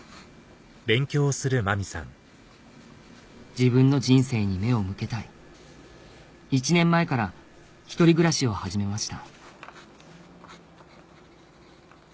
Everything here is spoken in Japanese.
自分の人生に目を向けたい１年前から１人暮らしを始めました